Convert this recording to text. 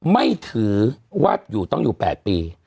ไม่ถือว่าอยู่ต้องอยู่๘ปี